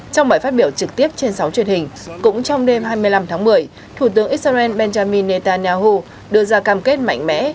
trong bài phát biểu trực tiếp trên sóng truyền hình cũng trong đêm hai mươi năm tháng một mươi thủ tướng israel benjamin netanyahu đưa ra cam kết mạnh mẽ